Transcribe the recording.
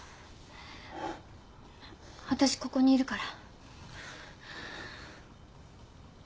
わたしここにいるから。